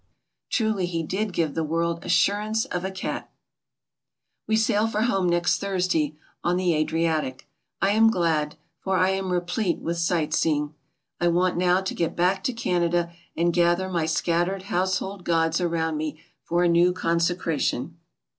Truly he did give the world assurance of a cat! We sail for home next Thursday on the Adriatic. I am glad, for I am replete with sight seeing. I want now to get back to Canada and gather my scattered household gods around me for a new consecration.